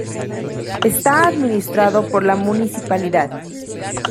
Está administrado por la municipalidad.